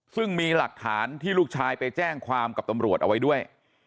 ซึ่งมีหลักฐานที่ลูกชายไปแจ้งความกับตำรวจเอาไว้ด้วย